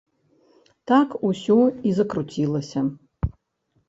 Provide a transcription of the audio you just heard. Так усё і закруцілася.